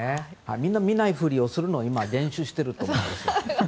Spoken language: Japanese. みんな見ないふりをする練習をしてると思うんです。